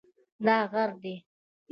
دا غر دی